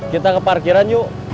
kita ke parkiran yuk